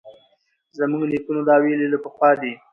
زموږ نیکونو دا ویلي له پخوا دي